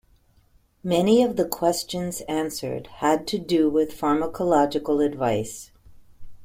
Many of the questions answered had to do with pharmacological advice.